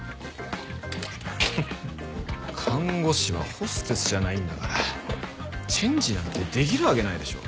看護師はホステスじゃないんだからチェンジなんてできるわけないでしょ。